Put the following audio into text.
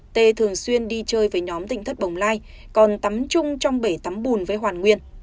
t thường xuyên đi chơi với nhóm tỉnh thất bồng lai còn tắm chung trong bảy tắm bùn với hoàn nguyên